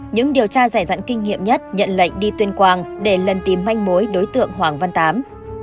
những điều tra giải dẫn kinh nghiệm nhất nhận lệnh đi tuyên quang để lần tìm manh mối đối tượng hoàng văn tám